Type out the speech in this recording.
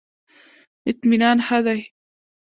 اطمینان ښه دی.